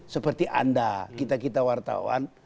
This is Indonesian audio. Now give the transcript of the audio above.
seperti anda kita kita wartawan